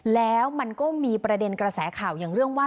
แล้วมันก็มีประเด็นกระแสข่าวอย่างเรื่องว่า